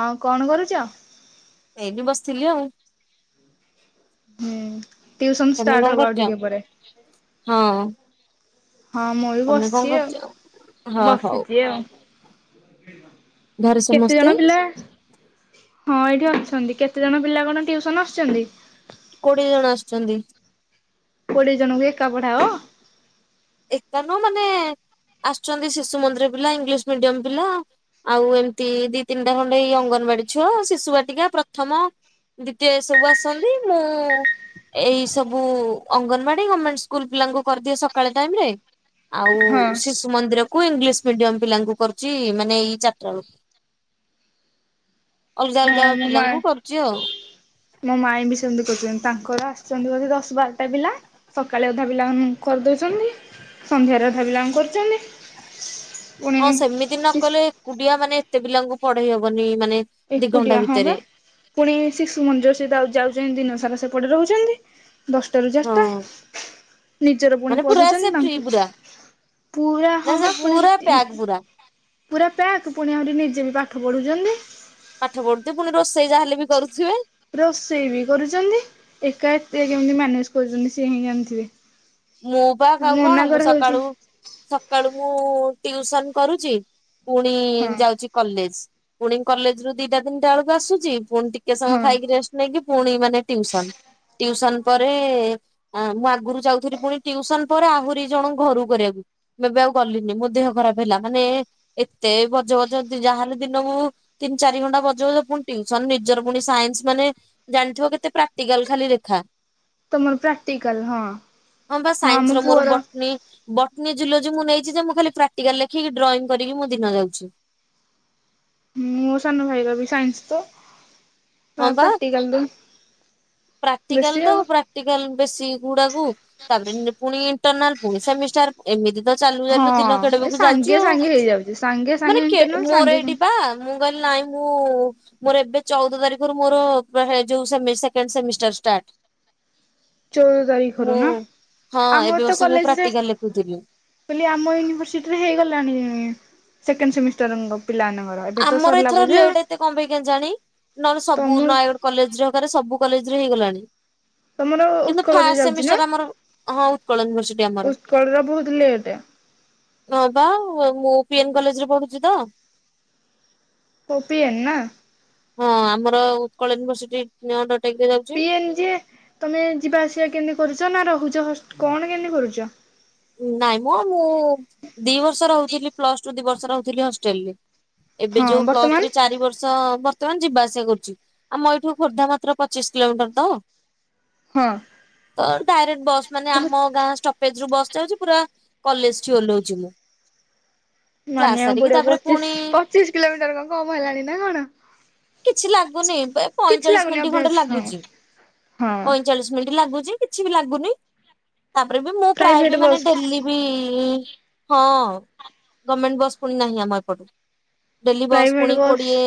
ହଁ କଣ କରୁଛ? ଏଇଠି ବସିଥିଲି ଆଉ। ହୁଁ। ଟିଉସନ ତମେ ଷ୍ଟାର୍ଟ କଣ ହବ ଆଉ କରୁଛ? ଟିକେ ପରେ। ହଁ। ହଁ ମୁଁ ବି ତମେ କଣ ବସିଚି ଆଉ କରୁଛ? ହଁ ହଉ ବସିଚି ଆଉ। ଘରେ କେତେ ସମସ୍ତେ ଜଣ ପିଲା। ହଁ ଏଇଠି ଅଛନ୍ତି କେତେଜଣ ପିଲା କଣ ଟିଉସନ ଆସୁଚନ୍ତି। କୋଡିଏ ଜଣ ଆସୁଚନ୍ତି। କୋଡିଏ ଜଣଙ୍କୁ ଏକା ପଢାଅ। ଏକା ନୁହଁ ମାନେ ଆସୁଛନ୍ତି ଶିଶୁ ମନ୍ଦିର ପିଲା ଇଂଲିଶ ମିଡିୟମ ପିଲା। ଆଉ ଏମତି ଦି ତିନିଟା ଖଣ୍ଡେ ଏଇ ଅଙ୍ଗନବାଡି ଛୁଆ ଶିଶୁ ବାଟିକା ପ୍ରଥମ ଦ୍ୱିତୀୟ ସବୁ ଆସନ୍ତି ମୁଁ। ଏଇ ସବୁ ଅଙ୍ଗନବାଡି ଗମେଣ୍ଟ ସ୍କୁଲ ପିଲାଙ୍କୁ କରିଦିଏ ସକାଳେ ଟାଇମରେ ଆଉ ହଁ ଶିଶୁ ମନ୍ଦିରକୁ ଇଂଲିଶ ମିଡିୟମ ପିଲାଙ୍କୁ କରୁଚି ମାନେ ଏଇ ଚାରିଟାବେଳକୁ। ଅଲଗା ଅଲ ଆମ ମାଇଁ ମୋ ମାଇଁ ବି ସେମିତି କରୁଛନ୍ତି। ତାଙ୍କର ଆସୁଛନ୍ତି ବୋଧେ ଦଶ ବାରଟା ପିଲା। ସକାଳେ ଅଧା ପିଲାମାନଙ୍କୁ କରିଦଉଛନ୍ତି। ସନ୍ଧ୍ୟାରେ ଅଧା ପିଲାଙ୍କୁ କରୁଛନ୍ତି। ପୁଣି ହଁ ସେମିତି ନ ସି କଲେ ଏକୁଟିଆ ମାନେ ଏତେ ପିଲାଙ୍କୁ ପଢେଇ ହବନି। ମାନେ ଦି ଘଣ୍ଟା ଏକୁଟିଆ ହଁ ଭିତରେ ବା। ପୁଣି ଶିଶୁମନ୍ଦିର ସେ ଯାଉ-ଯାଉଛନ୍ତି। ଦିନ ସାରା ସେପଟେ ରହୁଛନ୍ତି। ଦଶଟାରୁ ହଁ ଚାରିଟା। ନିଜର ପୁଣି ମାନେ ପୁରା ସେ ପଢୁଛନ୍ତି। ଫ୍ରି ତାଙ୍କୁ ପୁରା ପୁରା ନା ହଁ ସେ ବା। ପୁଣି ପୁରା ପ୍ୟାକ୍ ତିନି ପୁରା ପୁରା ପ୍ୟାକ୍। ପୁଣି ଆହୁରି ନିଜେ ବି ପାଠ ପଢୁଛନ୍ତି। ପାଠ ପଢୁଥିବେ। ପୁଣି ରୋଷେଇ ଯାହାହେଲେ ବି କରୁଥିବେ। ରୋଷେଇ ବି କରୁଛନ୍ତି। ଏକା ଏତେ କେମିତି ମ୍ୟାନେଜ କରୁଛନ୍ତି, ସିଏ ହିଁ ଜାଣିଥିବେ। ମୁଁ ପା ତାଙ୍କୁ ଆଉ ମନା କ-କଣ ମୁଁ କରାହଉଛି। ସକାଳୁ ସକାଳୁ ମୁଁ ଟିଉସନ କରୁଚି। ପୁଣି ହଁ ଯାଉଚି କଲେଜ। ପୁଣି କଲେଜରୁ ଦିଟା ତିନିଟା ବେଳକୁ ଆସୁଚି। ପୁଣି ଟିକେ ସମୟ ହଁ ଖାଇକି ରେଷ୍ଟ୍ ନେଇକି ପୁଣି ମାନେ ଟିଉସନ୍। ଟିଉସନ୍ ପରେ ମୁଁ ଆଗରୁ ଯାଉ ଥିଲି। ପୁଣି ଟିଉସନ୍ ପରେ ଆହୁରି ଜଣ ଘରୁକୁ କରିବାକୁ। ଏ ଏବେ ଆଉ ଗଲିନି। ମୋ ଦେହ ଖରାପ ହେଲା। ମାନେ ଏତେ ବଜ ବଜ ତୁ ଯାହାହେଲେ ଦିନ କୁ ତିନି ଚାରି ଘଣ୍ଟା ବଜ ବଜ ପୁଣି ତିଉସନ। ନିଜର ପୁଣି ସାଇନ୍ସ ମାନେ ଜାଣିଥିବ କେତେ ପ୍ରାକ୍ଟିକାଲ ଖାଲି ଲେଖା। ତମର ପ୍ରାକ୍ଟିକାଲ। ହଁ। ହଁ ବା ଆମ ସାଇନ୍ସର ମୋର ପୁଅର ବଟ୍ନି ବଟନୀ ଜୁଲୋଜି ମୁଁ ନେଇଛି ଯେ, ମୁଁ ଖାଲି ପ୍ରାକ୍ଟିକାଲ ଲେଖିକି ଡ୍ରଇଂ କରିକି ମୋ ଦିନ ଯାଉଛି। ମୋ ସାନ ଭାଇର ବି ସାଇନ୍ସ ତ। ହଁ ତା ବା ପ୍ରାକ୍ଟିିକାଲତ ପ୍ରାକ୍ଟିକାଲ ତ ପ୍ରାକ୍ଟିକାଲ ବେଶୀ ଗୁଡ଼ାକୁ ତାପରେ, ପୁଣି ଇଣ୍ଟରନାଲ, ପୁଣି ସେମିଷ୍ଟାର। ଏମିତି ତ ଚାଲୁ ହଁ ଚାଲୁ ଦିନ କେଡ଼େ ଏ ବକୁ ସାଙ୍ଗେ ଯାଉଛି ଆଉ। ସାଙ୍ଗେ ହେଇଯାଉଛି ସାଙ୍ଗେ ମାନେ ସାଙ୍ଗେ ଇଣ୍ଟରନାଲ କେ-ମୋର ସାଙ୍ଗେ ଏଇଠି ପା ସାଙ୍ଗେ ମୁଁ କହିଲି ନାଇଁ ମୁଁ ମୋର ଏବେ ଚଉଦ ତାରିଖରୁ ମୋର ପୁରା ହେଇ ଯୋଉ ସେମି ସେକେଣ୍ଡ ସେମିଷ୍ଟାର୍ ଷ୍ଟାର୍ଟ। ଚଉଦ ତାରିଖରୁ ମୁଁ ନା ହଁ ଏବେ ବସିକି ମୁ ପ୍ରାକ୍ଟିକାଲ ଲେଖୁଥିଲି। ହେଲେ ଆମ ୟୁନିଭର୍ସିଟିରେ ହେଇଗଲାଣି ସେକେଣ୍ଡ ସେମିଷ୍ଟାର ପିଲାମାନଙ୍କର। ଏବେ ତ ଆମର ସରିଲା ଏଥର ବୋଧେ ଆଉ ଲେଟ୍ ଏତେ କଣ ପାଇଁ କେଜାଣି ନହେଲେ ସବୁ ତମ ନୟା କଲେଜ ରେ ହେକରେ ସବୁ କଲେଜ ରେ ହେଇଗଲାଣି। [inaudible] ତମର କିନ୍ତୁ ଉତ୍କଳରେ ଫାଷ୍ଟ ଯାଉଛି ନା ସେମିଷ୍ଟାର ଆମର ହଁ ଉତ୍କଳ ୟୁନିଭରସିଟି ଆମର। ଉତ୍କଳରେ ବହୁତ ଲେଟେ। [inaudible] ହଁ ବା ମୁଁ ପି ଏମ କଲେଜରେ ପଢୁଛି ତ। କୋପି ଏନ ନା? ହଁ ଆମର ଉତ୍କଳ ୟୁନିଭର୍ର୍ସିଟି ଅଣ୍ଡରଟେକରେ ଯାଉଛି। କେମତି ତମେ ଯିବା ଆସିବା କେମିତି କରୁଛ ନା ରହୁଛ ହସ କଣ କେମତି କରୁଛ? ନାଇଁ ମଁ। ମୁଁ ଦି ବର୍ଷ ରହୁଥିଲି। ପ୍ଲସ୍-ଟୁ ଦି ବର୍ଷ ରହୁଥିଲି ହଷ୍ଟେଲରେ। ଏବେ ହଁ ଯୋଉ ବର୍ତ୍ତମାନ ପ୍ଲସ୍-ଥ୍ରି ଚାରି ବର୍ଷ ଚ ବର୍ତ୍ତମାନ ଯିବା ଆସିବା କରୁଛି। ଆମ ଏଇଠୁ ଖୋର୍ଦ୍ଧା ମାତ୍ର ପଚିଶ କିଲୋମିଟର ତ। ହଁ। ତ ଡାଇରେକ୍ଟ ବସ୍ ମାନେ ଆମ ଗାଁ ଷ୍ଟପେଜରୁ ବସ୍ ଯାଉଛି। ପୁରା କଲେଜ ଠି ଓହ୍ଲଉଛି ମୁଁ କ୍ଲାସ ମାନିବାକୁ ସାରିକି ପଡ଼ିବ। ତାପରେ ପୁଣି ପଚିଶ ପଚିଶ କିଲୋମିଟର କଣ କମ ହେଲାଣି ନା କଣ? କିଛି ଲାଗୁନି। ବେ କିଛି ପଇଁଚାଳିଶ ଲାଗୁନି ମିନିଟ୍ ଖଣ୍ଡେ ଅଭ୍ୟାସ ହଁ ଲାଗୁଛି। ହଁ ପଇଁଚାଳିଶ ମିନିଟ ଲାଗୁଛି। କିଛି ବି ଲାଗୁନି। ତାପରେ ବି ମୁଁ ପ୍ରାୟ ପ୍ରାଇଭେଟ ବସ୍ ହେଲିବି ହଁ ଗଭର୍ଣମେଣ୍ଟ ବସ୍ ପୁଣି ନାହିଁ ଆମ ଏପଟେ। ଡେଲି ବସ୍ ପ୍ରାଇଭେଟ ପୁଣି ବସ୍ କୋଡ଼ିଏ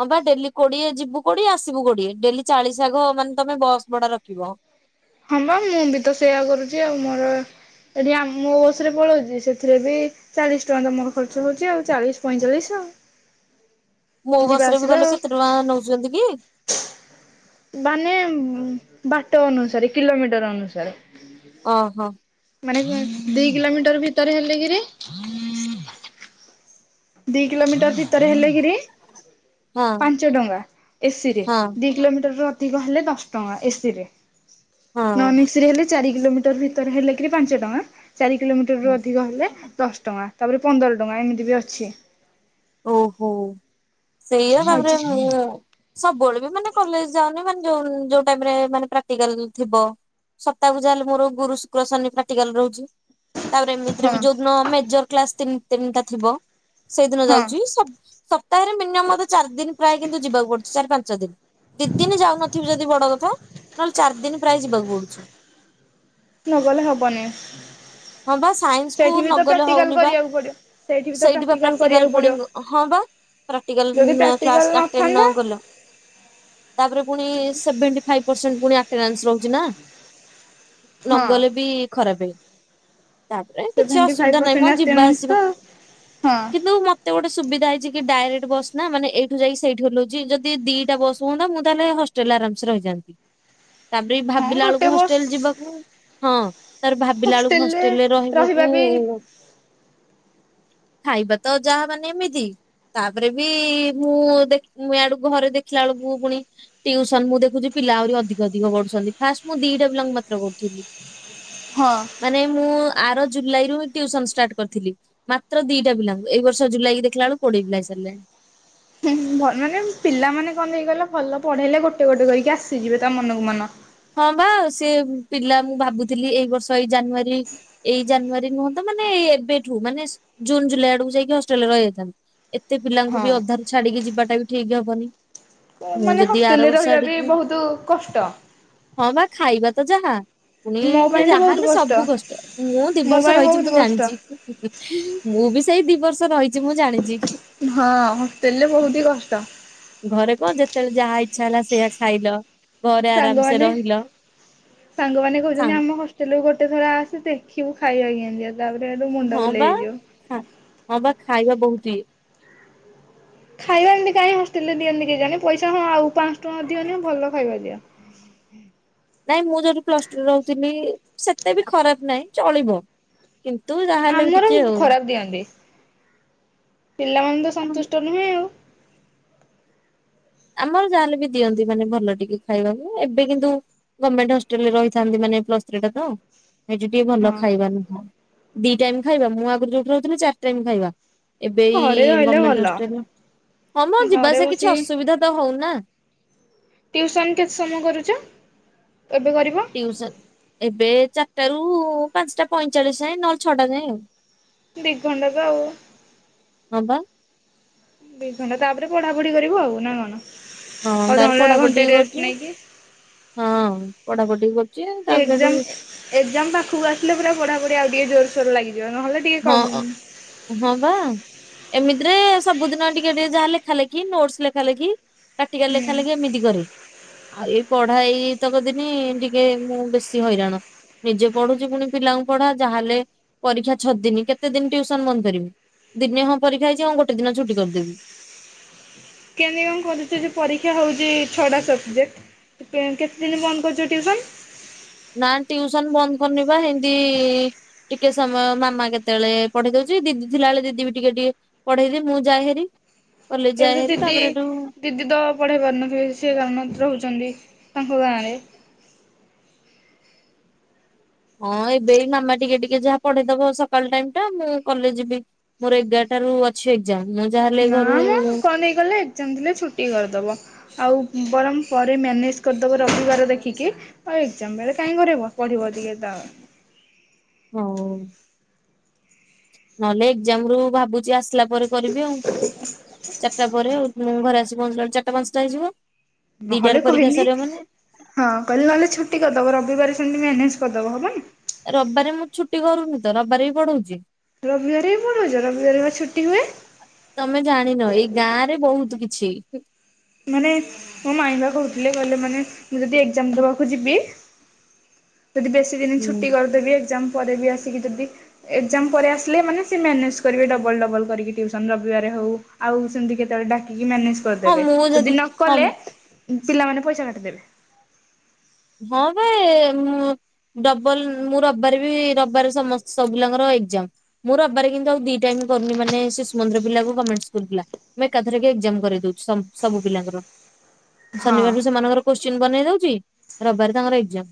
ହଁ ବା ଡେଲି କୋଡ଼ିଏ ଯିବୁ କୋଡ଼ିଏ, ଆସିବୁ କୋଡ଼ିଏ। ଡେଲି ଚାଳିଶ ଆାଗ ମାନେ ତମେ ବସ ଭଡ଼ା ରଖିବ। ହଁ ବା ମୁଁ ବି ତ ସେୟା କରୁଛି ଆଉ। ମୋର ଏଠି ଆ ମୋ ବସ୍ ରେ ପଳଉଛି ସେଥିରେ ବି ଚାଳିଶ ଟଙ୍କା ତ ମୋର ଖର୍ଚ୍ଚ ହଉଛି ଆଉ ଚାଳିଶ ପଇଁଚାଳିଶ ମୋ ଯିବା ବସ୍ ରେ ବି ଆସିବା ଗଲେ ଆଉ କେତେ ଟଙ୍କା ନେଉଛନ୍ତି କି? ମାନେ ବାଟ ଅନୁସାରେ କିଲୋମିଟର ଅନୁସାରେ। ଓହୋ। ମାନେ ଦି କିଲୋମିଟର ଭିତରେ ହେଲେ କିରି ଦିଇ କିଲୋମିଟର ଭି ତରେ ହେଲେ କିରି ହଁ ପାଞ୍ଚ ଟଙ୍କା ଏସି ରେ ହଁ ଦି କିଲୋମିଟର ରୁ ଅ ଧିକ ହେଲେ ଦଶ ଟଙ୍କା ଏସି ରେ ନନ୍ ଏସି ହେଲେ ଚାରି କିଲୋମିଟର ଭିତରେ ହେଲେ କିରି ପାଞ୍ଚ ଟଙ୍କା ଚାରି କିଲୋମିଟରରୁୁ ହଁ। ଅଧିକ ହେଲେ ଦଶ ଟଙ୍କା ତାପରେ ପନ୍ଦର ଟଙ୍କା ଏମିତି ବି ଅଛି। ଓହୋ ସେଇଆ ତାପରେ ଆଉ ମୁଁ ସବୁବେଳେ ବି ମାନେ କଲେଜ ଯାଉନି ମାନେ ଯୋଉ ଯୋଉ ଟାଇମ୍ ରେ ମାନେ ପ୍ରାକ୍ଟଟିକାଲ ଥିବ। ସପ୍ତାହକୁ ଯାହା ହେଲେ ବି ମୋର ଗୁରୁ, ଶୁକ୍ର, ଶନି ପ୍ରାକ୍ଟିକାଲ୍ ରହୁଛି। ତାପରେ ଏମିତିରେ ହଁ ବି ଯୋଉ ଦିନ ମେଜର କ୍ଲାସ୍ ତିନ୍ ତିନଟା ଥିବ, ସେଇଦିନ ହଁ ଯାଉ ସପ୍ ସପ୍ତାହରେ ମିନିମମ୍ ମୋତେ ଚାରି ଦିନ ପ୍ରାୟ କିନ୍ତୁ ଯିବାକୁ ପଡୁଛି ଚାରି ପାଞ୍ଚ ଦିନ। ଦି ଦିନ ଯାଉନଥିବି ଯଦି ବଡ କଥା। ନହେଲେ ଚାରି ଦିନ ପ୍ରାୟ ଯିବାକୁ ପଡୁଛି। ନ ଗଲେ ହବନି। ହଁ ବା ସାଇନ୍ସ କୁ ସେଇଠି ବି ତ ନଗଲେ ପ୍ରାକ୍ଟିକାଲ୍ ହଉନି ବା କରିବାକୁ ପଡିବ। ସେଇଠି ବି ତ ବା ପ୍ରାକ୍ଟିକାଲ୍ ପ୍ରାକ୍ଟିକାଲ କରିବାକୁ ପୁଣି ପଡିବ ହଁ ବା। ପ୍ରାକ୍ଟିକାଲ୍ ଯଦି ପ୍ରାକ୍ଟିକାଲ କ୍ଲାସ ଆଟେଣ୍ଡ ନ ନଥାନ୍ତା କଲେ ତାପରେ ପୁଣି ସେଭେଣ୍ଟି ଫାଇଭ ପର୍ସେଣ୍ଟ ପୁଣି ଆଟେନାନ୍ସ ରହୁ ଛିନା। ନ ହଁ ଗଲେ ବି ଖରାପେ। ତାପରେ କିଛି ସେଭେଣ୍ଟି ଫାଇଭ୍ ଅସୁବିଧା ନାହିଁ ପରସେଣ୍ଟ ମ ଯିବା ଆଟେଣ୍ଡାନ୍ସ ତ ଆସିବା ହଁ କିନ୍ତୁ ମ ତେ ଗୋଟେ ସୁବିଧା ହେଇଛି କି ଡାଇରେକ୍ଟ ବସ୍ ନା ମାନେ ଏଠୁ ଯାଇ ସେଠୁ ଓଲହଉଛି। ଯଦି ଦି ଦିଟା ବସ ହୁଅନ୍ତା ମୁଁ ତାହେଲେ ହଷ୍ ଷ୍ଟେଲ୍ ରେ ଆରାମ ସେ ରହିଯାନ୍ତି। ତାପିରି ହଁ ଭାବିଲା ବେଳକୁ ଗୋଟେ ବର୍ଷ ହଷ୍ଟେଲ ଯିବାକୁ, ହଁ। ତାପରେ ଭାବିଲା ବେଳକୁ ହଷ୍ଟେଲରେ ରହିବାକୁ, ରହିବା ବି ଖାଇବା ତ ଯାହା ମାନେ ଏମିତି ତାପରେ ବି ମୁଁ ଦେଖ୍ ମୁଁ ଆଡ଼କୁ ଘରେ ଦେଖିଲା ବେଳକୁ ପୁଣି ଟ୍ୟୁସନ୍ ମୁଁ ଦେଖୁଛି ପିଲା ଆହୁରି ଅଧିକ ଅଧିକ ବଢୁଛନ୍ତି। ଫାଷ୍ଟ ମୁଁ ଦିଟା ପିଲାଙ୍କୁ ମାତ୍ର କରୁଥିଲି। ହଁ। ମାନେ ମୁଁ ଆର ଜୁଲାଇ ରୁ ଟ୍ୟୁସନ୍ ଷ୍ଟାର୍ଟ କରିଥିଲି ମାତ୍ର ଦିଟା ପିଲାଙ୍କୁ। ଏଇ ବର୍ଷ ଜୁଲାଇ କି ଦେଖିଲା ବେଳକୁ କୋଡ଼ିଏ ପିଲା ହେଇ ସାରିଲେଣି। ହୁଁ ହୁଁ ହୁଁ ଭ ମାନେ ପିଲାମାନେ କ'ଣ ହେଇଗଲା ଭଲ ପଢେଇଲେ ଗୋଟେ ଗୋଟେ କରିକି ଆସିଯିବେ ତା ମନକୁ ମନ। ହଁ ବା ସେ ପିଲା ମୁଁ ଭାବୁଥିଲି ଏଇ ବର୍ଷ ଏଇ ଜାନୁଆରୀ ଏଇ ଜାନୁଆରୀ ନୁହତ ମାନେ ଏବେଠୁ ମାନେ ଜୁନ୍ ଜୁଲାଇ ଆଡକୁ ଯାଇକି ହଷ୍ଟେଲରେ ରହି ଯାଇଥାନ୍ତେ ଏତେ ପିଲାଙ୍କୁ ହଁ ବି ଅଧାରୁ ଛାଡିକି ଯିବାଟା ବି ଠିକ ହବନି। ତ ମୁଁ ମାନେ ଯଦି ହଷ୍ଟେଲ୍ ଆର ରେ ବର୍ଷ ରହିବା ବି ଆଡିକି ବହୁତ କଷ୍ଟ। ହଁ ବା ଖାଇବା ତ ଯାହା। ପୁଣି ମୋ ପାଇଁ ତ ବହୁତ ଯାହାହେଲେ ସବୁ କଷ୍ଟ ମୁଁ ଦି ମୋ ବର୍ଷ ପାଇଁ ରହିଛି ବହୁତ ମୁଁ କଷ୍ଟ ଜାଣିଛି। ମୁଁ ବି ସେଇ ଦି ବର୍ଷ ରହିଛି ମୁଁ ଜାଣିଛି। ହଁ ହଷ୍ଟେଲରେ ବହୁତି କଷ୍ଟ। ଘରେ କ'ଣ ଯେତେବେଳେ ଯାହା ଇଚ୍ଛା ହେଲା ସେଇଆ ଖାଇଲ। ଘରେ ଆରାମ ସେ ସାଙ୍ଗମାନେ ରହିଲ ସାଙ୍ଗମାନେ କହୁଛନ୍ତି ସାଙ୍ଗ ଆମ ହଷ୍ ତେଲକୁ ଗୋଟେ ଥର ଆସେ ଦେଖିବୁ ଖାଇବା କେମିତିଆ ତାପରେ ଏଠୁ ମୁଣ୍ଡ ବୁଲେଇ ବା ହେଇଯିବ। ହଁ, ହଁ ବା ଖାଇବା ବହୁତ ଇଏ। ଖାଇବା ଏମତି କାହିଁକି ହଷ୍ଟେଲ ରେ ଦିଅନ୍ତି କେଜାଣି ପଇସା ହଁ ଆଉ ପାଁଶହ ଟଙ୍କା ଅଧିକ ନିଅ ଭଲ ଖାଇବା ଦିଅ। ନାଇଁ ମୁଁ ଯୋଉଠି ପ୍ଲସ୍ ଟୁ ରେ ରହୁଥିଲି ସେତେ ବି ଖରାପ ନାହିଁ ଚଳିବ। କିନ୍ତୁ ଯାହାହେଲେ ବି ଆମର ଟିକେ ଆଉ। ଖରାପ ଦିଅନ୍ତି। ପିଲାମାନେ ତ ସନ୍ତୁଷ୍ଟ ନୁହେଁ ଆଉ। ଆମର ଯାହାହେଲେ ବି ଦିଅନ୍ତି ମାନେ ଭଲ ଟିକେ ଖାଇବାକୁ ଏବେ କିନ୍ତୁ ଗମେଣ୍ଟ ହଷ୍ଟେଲରେ ରହିଥାନ୍ତି ମାନେ ପ୍ଲସ୍ ଥ୍ରୀ ଟା ତ। ସେଇଠି ଟିକେ ଭଲ ହଁ ଖାଇବା ନୁହଁ। ଦି ଟାଇମ୍ ଖାଇବା ମୁଁ ଆଗରୁ ଯୋଉଠି ରହୁଥିଲି ଚାରି ଟାଇମ୍ ଖାଇବା। ଏବେ ଘରେ ଏଇ ରହିଲେ ଗମେଣ୍ଟ ଭଲ ହଷ୍ଟେଲରେ‌, ହଁ ମ ଯିବା ଘରେ ଆସିବା କିଛି ବସିକି ଅସୁବିଧା ତ ହଉନା। ଟ୍ୟୁସନ୍ କେତେ ସମୟ କରୁଛ? ଏବେ କରିବ? ଟ୍ୟୁସନ୍ ଏବେ ଚାରିଟା ରୁ ପାଞ୍ଚଟା ପଞ୍ଚଚାଳିଶି ଯାଏ ନହେଲେ ଛଅଟା ଯାଏ ଆଉ। ଦି ଘଣ୍ଟା ତ ଆଉ। ହଁ ବା। ଦି ଘଣ୍ଟା ତାପରେ ପଢାପଢି କରିବ ଆଉ ନା କ'ଣ? ହଁ ତାପରେ ଅଧଘଣ୍ଟା ପଢାପଢି ଘଣ୍ଟେ ଟିକେ କରୁଛି ରେଷ୍ଟ ନେଇକି। ହଁ, ପଢାପଢି ଟିକେ କର୍ ଟିକେ ଏକ୍ସାମ୍ ଏକ୍ସାମ୍ ପାଖକୁ ଆସିଲେ ପୁରା ପଢା ପଢି ଆଉ ଟିକେ ଜୋର ସୋର ଲାଗିଯିବ ନହେଲେ ଟିକେ କମ ହୁଁ ହଁ, ହଁ ବା। ଏମିତିରେ ସବୁଦିନ ଟିକେ ଟିକେ ଯାହା ଲେଖା ଲେଖି ନୋଟ୍ସ୍ ଲେଖା ଲେଖି ପ୍ରାକ୍ଟିକାଲ ଲେଖା ଲେଖି ଏମିତି କରେ। ଆଉ ଏଇ ପଢା ଏଇ କେତକଦିନି ଟିକେ ମୁଁ ବେଶୀ ହଇରାଣ। ନିଜେ ପଢୁଛି ପୁଣି ପିଲାଙ୍କୁ ପଢା ଯାହାହେଲେ ପରୀକ୍ଷା ଛଅ ଦିନି କେତେ ଦିନି ଟିଉସନ ବନ୍ଦ କରିବି ଦିନେ ହଁ ପରୀକ୍ଷା ହେଇଛି ଆଁ ଗୋଟେ ଦିନ ଛୁଟି କରିଦେବି। କେମିତି କଣ କରୁଛ ଯେ ପରୀକ୍ଷା ହଉଛି ଛଅଟା ସବଜେକ୍ଟ। କେ କେତେ ଦିନ ବନ୍ଦ କରୁଛ ଟିଉସନ। ନା ଟିଉସନ ବନ୍ଦ କରିନି ବା ଏମତି ଟିକେ ସମୟ ମାମା କେତେବେଳେ ପଢେଇ ଦଉଛି ଦିଦି ଥିଲା ବଳେ ଦିଦି ବି ଟିକେ ଟିକେ ପଢେଇଦି ମୁଁ ଯାଏ ହେରି କଲେଜ ଏବେ ଯା ତ ହେରି ଦିଦି ତାପରେ ଏଠୁ ଦିଦି ତ ପଢ଼େଇ ପାରୁନଥିବେ ସେ କାରଣ ରହୁଛନ୍ତି ତାଙ୍କ ଗାଁରେ। ହଁ ଏବେ ବି ମାମା ଟିକେ ଟିକେ ଯାହା ପଢେଇଦବ ସକାଳ ଟାଇମ ଟା ମୁଁ କଲେଜ ଯିବି। ମୋର ଏଗାରଟାରୁ ଅଛି ଏକ୍ଜାମ, ମୁଁ ଯାହାହେଲେ ଘରୁ ହିଁ ନେଇଗଲେ। ଏକ୍ଜାମ ଥିଲେ ଛୁଟି କରିଦେବ ଆଉ ବରଂ ପରେ ମ୍ୟାନେଜ୍ କରିଦେବ ରବିବାର ଦେଖିକି। ଆଉ ଏକ୍ଜାମ ବେଳେ କାଇହିଁ କରିବ ପଢିବ ଟିକେ ଦା। ହଉ ନହେଲେ ଏକ୍ଜାମ ରୁ ଭାବୁଛି ଆସ ଆସିଲା ପରେ କରିବି ଆଉ। ଚାରିଟା ପରେ ଆଉ। ମୁଁ ଘରେ ଆସିିକି ପହଞ୍ଚିଲା ବେଳକୁ ଚାରିଟା ପାଞ୍ଚଟା ହେଇଯିବ। ନହେଲେ ଦିଟାରେ ପରୀକ୍ଷା କହିଲି ସରିଥାନ୍ତା। ହଁ କହିଲେ ନହେଲେ ଛୁଟି କରିଦବ ରବିବାର ସେମିତି ମ୍ୟାନେଜେ କରିଦେବ ହେବନି। ରବିବରେ ରେ ମୁଁ ଛୁଟି କରୁନି ତ, ରବିବରେ ବି ପଢ଼ୁଉଚି। ରବିବାର ହି ପୁରୁଛ ରବିବାର ବା ଛୁଟି ହୁଏ। ତମେ ଜାଣିନ ଏଇ ଗାଁ ରେ ବହୁତ କିଛି। ମାନେ ମୋ ମାଇବା କହୁଥିଲେ କହିଲେ ମାନେ ମୁଁ ଯଦି ଏକ୍ଜାମ ଦବାକୁ ଯିବି ଯଦି ବେଶୀ ଦିନ ହୁଁ ଛୁଟି କରିଦେବି ଏକ୍ଜାମ ପରେ ବି ଆସିକି ଯଦି ଏକ୍ସାମ ପରେ ଆସିଲେ ମାନେ ସେ ମାନେଜ କରିବେ ଡବଲ ଡବଲ କରିକି ଟିଉସନ୍ ରବିବାରେ ହଉ ଆଉ ସେମିତି କେତେବେଳେ ଡାକିକି ମ୍ୟାନେଜ ହଁ କରିଦେବେ ମୁଁ ଯଦି ନ ହଁ କଲେ ପିଲାମାନେ ପଇସା କାଟିଦେବେ। ହଁ ପା ଏ ଡବଲ ମୁଁ ରବିବାର ବି ରବିବାର ସମସ୍ତେ ସବୁ ପିଲାଙ୍କର ଏକ୍ଜାମ। ମୁଁ ରବିବାର ରେ କିନ୍ତୁ ଆଉ ଦି ଟାଇମ କରୁ ନାହିଁ ମାନେ ଶିଶୁ ମନ୍ଦିର ପିଲାକୁ ଗଭର୍ଣମେଣ୍ଟ ସ୍କୁଲ ପିଲା। ଆମେ ଏକାଥରେ କେ ଏକ୍ଜାମ କରିଇଦୋଉଚି ସବୁ ପିଲାଙ୍କର। ହଁ ଶନିବାର ର ସେମାନଙ୍କର କୋଶ୍ଚିନ୍ ବନେଇ ଦୋଉଚି, ରବିବାର ତାଙ୍କର ଏକ୍ଜାମ।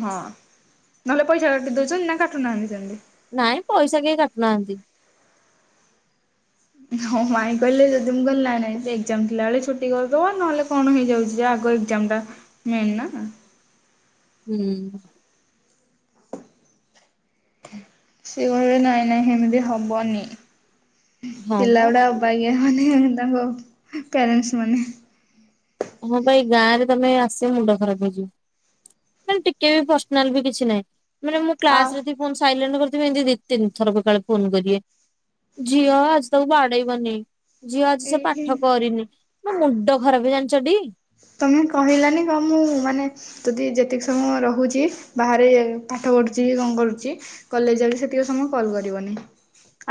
ହଁ ନହେଲେ ପଇସା କାଟି ଦୋଉଛନ୍ତି ନା କାଟୁନାହାନ୍ତି ସେମିତି? ନାଇଁ ପଇସା କେହି କାଟୁନାହାନ୍ତି। ହଁ ମାଇଁ କହିଲେ ଯଦି ମୁଁ କହିଲି ନାଇଁ ନାଇଁ ଏକ୍ଜାମ ଥିଲାବେଳେ ଛୁଟି କରିଦବ ନହେଲେ କଣ ହେଇଯାଉଛି ଯେ ଆଗ ଏକ୍ଜାମ ଟା ମେନ୍ ନା। ହୁଁ। ସେ କହିବେ ନାଇଁ ନାଇଁ ସେମିତି ହବନି ହଁ ବା ପିଲା ଗୁଡା ଅବାଗିଆ ମାନେ ତାଙ୍କ ପ୍ୟାରେଣ୍ଟ ମାନେ। ହଁ ବା ଏଇ ଗାଁ ରେ ତମେ ଆସି ମୁଣ୍ଡ ଖରାପ ହେଇଯିବ। ମାନେ ଟିକେ ବି ପର୍ସନାଲ ବି କିଛି ନାହିଁ ମାନେ ମୁଁ ଆ କ୍ଲାସ୍ ରେ ଥିବି ଫୋନ୍ ସାଇଲେଣ୍ଟ କରିଥିବି ଏମତି ଦି ନି ଥର ବୋକାଳେ ଫୋନ କରିବେ। ଝିଅ ଆଜି ତାକୁ ବାଡେଇ ବନି। ଝିଅ ଆଜି ସେ ଏହେ ପାଠ କରିନି ମୋ ମୁଣ୍ଡ ଖରାପ ଜାଣିଛଟି। ତମେ କହିଲାନି କ ମୁଁ ମାନେ ଯଦି ଯେତିକି ସମୟ ରହୁଛି ବାହାରେ ପାଠ ପଢ଼ୁଛି କି କଣ କରୁଛି। କଲେଜ ଯାଉଛି ସେତିକି ସମୟ କଲ୍ କରିବନି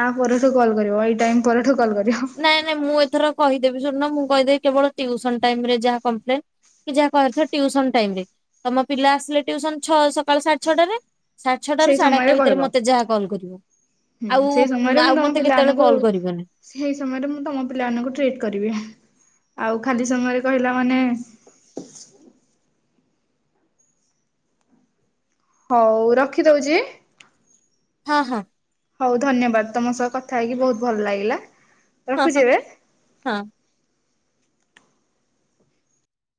ଆ ପରଠୁ କଲ୍ କରିବ ଏଇ ଟାଇମ ପରଠୁ କଲ୍ କରିବ। ନାଇଁ ନାଇ ମୁଁ ଏଥର କହିଦେବି ଶୁଣୁନ ମୁଁ କହିଦେବି କେବଳ ଟିଉସନ ଟାଇମରେ ଯାହା କଂପ୍ଲେନ୍। କି ଯାହା କହିଆର ଥିବ ଟିଉସନ ଟାଇମ ରେ ତମ ପିଲା ଆସିଲେ ଟିଉସନ ଛଅ ସକାଳ ସାଢେ ଛଅଟାରେ ସାଡେ ଛଅ ଟା ସେଇ ରୁ ସମୟରେ ସାଢେଆଠଟା କହିବ ଭିତରେ ମତେ ଯାହା କଲ କରିବ। ହୁଁ ଆଉ ସେଇ ସମୟରେ ମୁଁ ଆଉ ତମ ମତେ କେତେବେଳେ ପିଲାମାନଙ୍କୁ କଲ କରିବେନି। ସେଇ ସମୟରେ ମୁଁ ତମ ପିଲାମାନଙ୍କୁ ଟ୍ରିଟ୍ କରିବି ଆଉ ଖାଲି ସମୟରେ କହିଲା ମାନେ ହଉ ରଖିଦଉଛି। ହଁ ହଁ। ହଉ ଧନ୍ୟବାଦ ତମ ସହ କଥା ହେଇକି ବହୁତ ଭଲ ଲାଗିଲା। ହଁ ହ ରଖୁଛି ଏବେ। ହଁ।